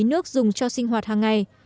nước dùng cho sinh hoạt hàng ngày